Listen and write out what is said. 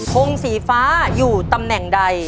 คงสีฟ้าอยู่ตำแหน่งใด